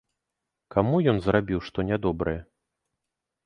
Каму ён зрабіў што нядобрае?